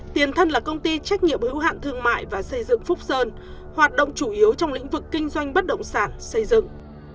tiền thân là công ty trách nhiệm hữu hạn thương mại và xây dựng phúc sơn hoạt động chủ yếu trong lĩnh vực kinh doanh bất động sản xây dựng